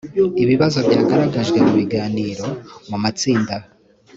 ibibazo byagaragajwe mu biganiro mu matsinda